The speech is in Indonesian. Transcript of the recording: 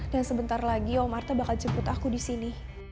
dan sebentar lagi om marta bakal jemput aku disini